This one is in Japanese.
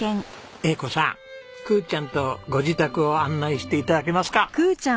栄子さん空ちゃんとご自宅を案内して頂けますか？